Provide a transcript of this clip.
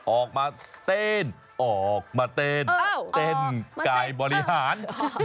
ออกมาเต้นออกมาเต้นเต้นกายบริหาร